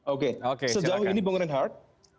oke sejauh ini bung reinhardt